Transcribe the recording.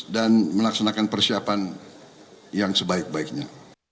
dan melaksanakan persiapan yang sebaik baiknya